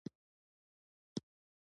کانونه زېرمه دي.